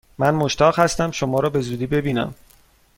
من مشتاق هستم شما را به زودی ببینم!